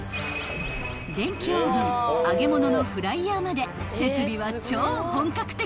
［電気オーブン揚げ物のフライヤーまで設備は超本格的］